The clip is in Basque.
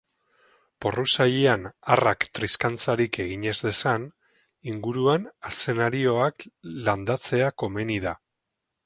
Porru sailean harrak triskantzarik egin ez dezan, inguruan azenarioak landatzea komeni da.